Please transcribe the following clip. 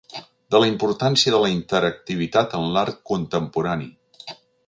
De la importància de la interactivitat en l'art contemporani.